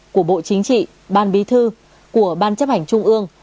của bộ chính trị ban bí thư của ban chấp hành trung ương